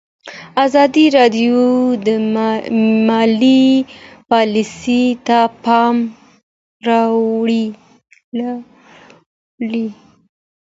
ازادي راډیو د مالي پالیسي ته پام اړولی.